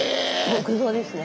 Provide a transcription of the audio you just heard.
木造ですね。